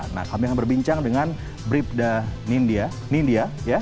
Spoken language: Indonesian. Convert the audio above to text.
nah kami akan berbincang dengan brindan india